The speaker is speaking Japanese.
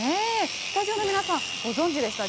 スタジオの皆さんご存じでしたか。